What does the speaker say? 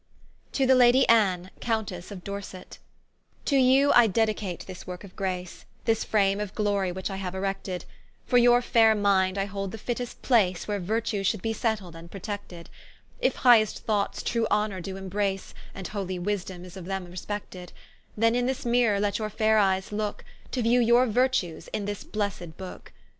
To the Ladie A N N E, Coun tesse of Dorset. O you I dedicate this worke of Grace, This frame of Glory which I haue erected, For your faire mind I hold the fittest place, Where virtue should be setled & protected; If highest thoughts true honor do imbrace, And holy Wisdom is of them respected: Then in this Mirrour let your faire eyes looke, To view your virtues in this blessed Booke.